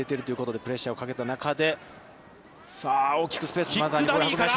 プレッシャーをかけた中で、さあ大きくスペース。